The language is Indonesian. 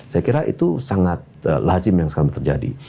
saya kira itu sangat lazim yang sekarang terjadi